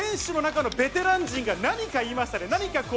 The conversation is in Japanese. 選手の中のベテラン陣が何か言いましたね。